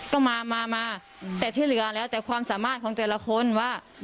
ก็มามาแต่ที่เหลือแล้วแต่ความสามารถของแต่ละคนว่า